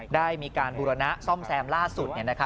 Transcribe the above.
ได้มีการบูรณะซ่อมแซมล่าสุด